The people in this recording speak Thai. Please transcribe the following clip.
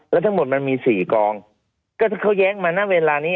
แล้วทั้งหมดมันมี๔กองก็ถ้าเขาแย้งมาณเวลานี้